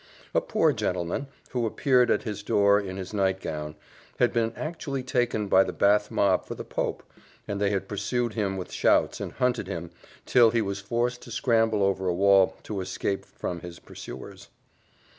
A poor gentleman, who appeared at his door in his nightgown, had been actually taken by the Bath mob for the Pope; and they had pursued him with shouts, and hunted him, till he was forced to scramble over a wall to escape from his pursuers.